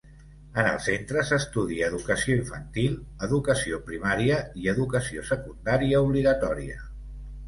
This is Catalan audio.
En el centre s'estudia educació infantil, educació primària i educació secundària obligatòria.